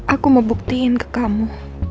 aku mau buktiin ke kamu